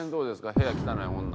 部屋汚い女。